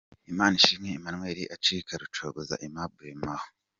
Imanishimwe Emmanuel acika Rucogoza Aimable Mambo.